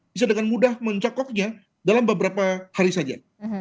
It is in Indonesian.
bisa dengan mudah mencokoknya dalam beberapa hari saja